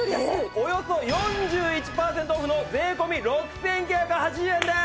およそ４１パーセントオフの税込６９８０円でーす！